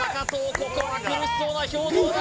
ここは苦しそうな表情だ